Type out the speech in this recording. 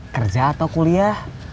kerja atau kuliah